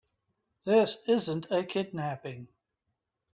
This isn't a kidnapping.